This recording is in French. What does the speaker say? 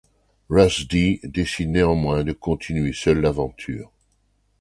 Russ D décide néanmoins de continuer seul l'aventure.